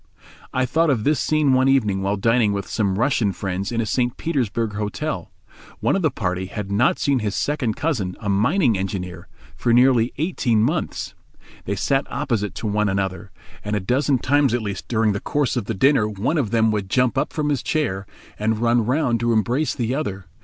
I thought of this scene one evening while dining with some Russian friends in a St. Petersburg Hotel. One of the party had not seen his second cousin, a mining engineer, for nearly eighteen months. They sat opposite to one another, and a dozen times at least during the course of the dinner one of them would jump up from his chair, and run round to embrace the other.